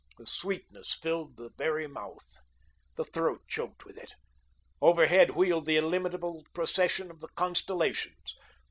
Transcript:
The sweetness filled the very mouth. The throat choked with it. Overhead wheeled the illimitable procession of the constellations.